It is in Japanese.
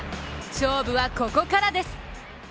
勝負はここからです。